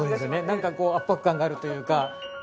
なんか圧迫感があるというか。